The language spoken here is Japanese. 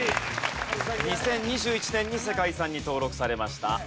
２０２１年に世界遺産に登録されました。